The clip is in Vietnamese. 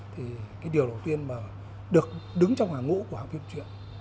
thì cái điều đầu tiên mà được đứng trong hàng ngũ của học phim truyện